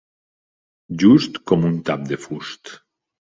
Just com un tap de fust.